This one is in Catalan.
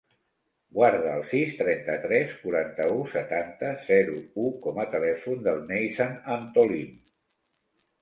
Guarda el sis, trenta-tres, quaranta-u, setanta, zero, u com a telèfon del Neizan Antolin.